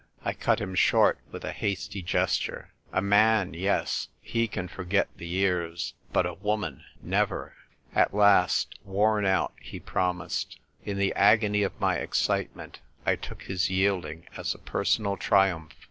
I cut him short with a hasty gesture. "A man, yes, he can forget the years ; but a woman — never !" At last, worn out, he promised. In the agony of my excitement I took his yielding as a personal triumph.